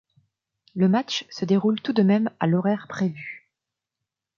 Le match se déroule tout de même à l'horaire prévu.